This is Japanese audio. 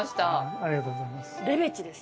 ありがとうございます。